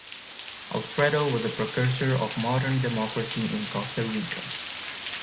Alfredo was a precursor of modern democracy in Costa Rica.